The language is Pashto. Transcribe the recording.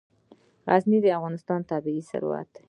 غزني د افغانستان طبعي ثروت دی.